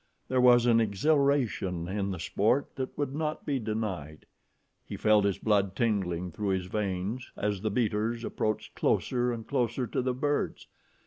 There was an exhilaration in the sport that would not be denied. He felt his blood tingling through his veins as the beaters approached closer and closer to the birds.